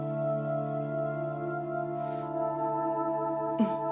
うん。